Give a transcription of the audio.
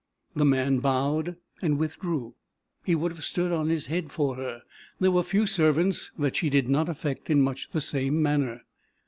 The man bowed and withdrew. He would have stood on his head for her. There were few servants that she did not affect in much the same manner.